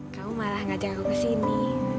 kamu malah ngajak aku kesini